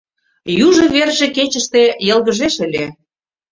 Южо верже кечыште йылгыжеш ыле.